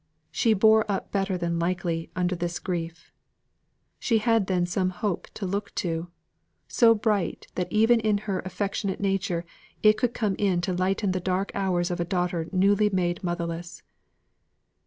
"She bore up better than likely" under this grief. She had then some hope to look to, so bright that even in her affectionate nature it could come in to lighten the dark hours of a daughter newly made motherless.